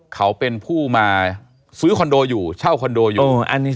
เขาเป็นผู้มาซื้อคอนโดอยู่เช่าคอนโดอยู่